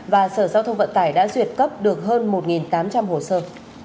và sở giao thông vận tải đã duyệt cấp được hơn một tám trăm linh hồ sơ